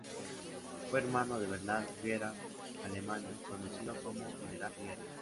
Fue hermano de Bernat Riera Alemany, conocido como "General Riera".